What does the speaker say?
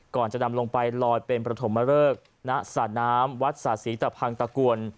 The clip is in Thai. ก่อนจะนำลงไปลอยเป็นประถมเริกณสระน้ำวัดศาสีตะพังตะกวน